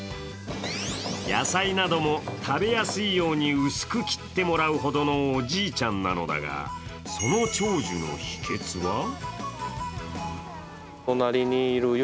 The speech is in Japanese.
野菜なども食べやすいように薄く切ってもらうほどのおじいちゃんなんだが、その長寿の秘けつは？